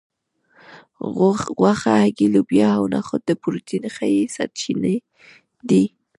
غوښه هګۍ لوبیا او نخود د پروټین ښې سرچینې دي